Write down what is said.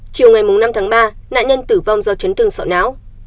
chiều năm ba nạn nhân tử vong do chấn tương sọ não